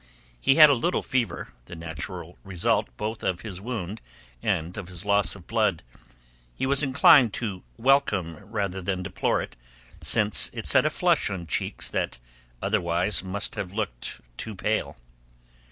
He had a little fever, the natural result both of his wound and of his loss of blood; he was inclined to welcome rather than deplore it, since it set a flush on cheeks that otherwise must have looked too pale.